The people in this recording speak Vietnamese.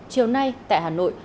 chiều nay tại hà nội